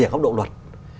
ở góc độ luật